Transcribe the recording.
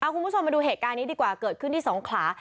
คุณผู้ชมมาดูเหตุการณ์นี้ดีกว่าเกิดขึ้นที่สงขลา